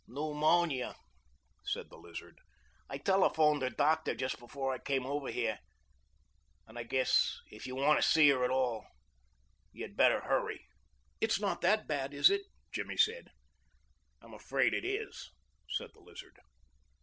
"Pneumonia," said the Lizard. "I telephoned her doctor just before I came over here, and I guess if you want to see her at all you'd better hurry." "It's not that had, is it?" Jimmy said. "I'm afraid it is," said the Lizard.